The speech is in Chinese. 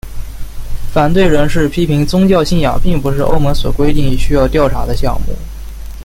反对人士批评宗教信仰并不是欧盟所规定需要调查的项目。